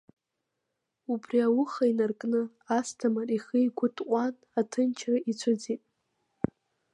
Убри ауха инаркны Асҭамыр ихы-игәы тҟәан, аҭынчра ицәыӡит.